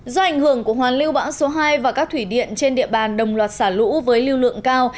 do ảnh hưởng của hoàn lưu bão số hai và các thủy điện trên địa bàn đồng loạt xả lũ với lưu lượng cao